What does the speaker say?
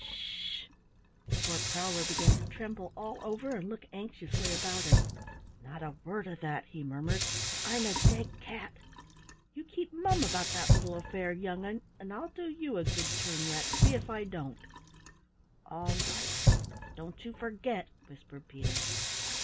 "Sh sh!" Poor Prowler began to tremble all over and look anxiously about him. "Not a word of that," he murmured, "or I'm a dead cat! You keep mum about that little affair, young'un, and I'll do you a good turn yet, see if I don't!" "All right; don't you forget!" whispered Peter.